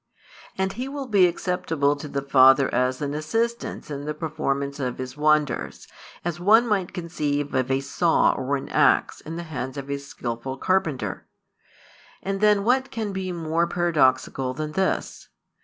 And He will be acceptable to the Father as an assistance in the performance of His wonders, as one might conceive of a saw or an axe in the hands of a skilful carpenter. |273 And then what can be more paradoxical than this?